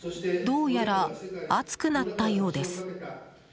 どうやら暑くなったようです。